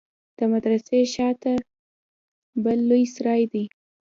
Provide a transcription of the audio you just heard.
د مدرسې شا ته بل لوى سراى دى.